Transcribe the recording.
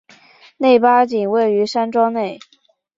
内八景位于山庄内。